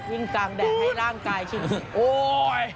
วิ่งกลางแดดให้ร่างกายชิด